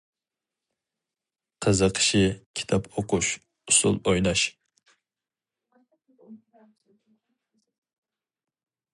قىزىقىشى: كىتاب ئوقۇش، ئۇسۇل ئويناش.